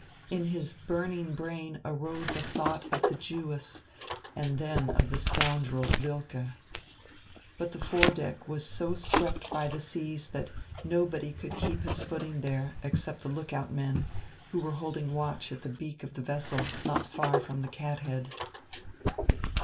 In his burning brain arose a thought of the Jewess and then of the scoundrel, Wilke. But the fore deck was so swept by the seas that nobody could keep his footing there, except the lookout men, who were holding watch at the beak of the vessel, not far from the cat head.